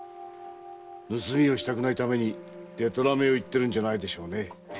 盗みをしたくないためにでたらめを言ってるんじゃないでしょうねえ？